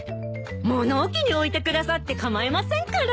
物置に置いてくださって構いませんから。